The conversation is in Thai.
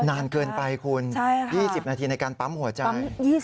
นานเกินไปคุณ๒๐นาทีในการปั๊มหัวใจ